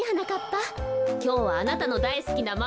きょうはあなたのだいすきなマメごはんよ。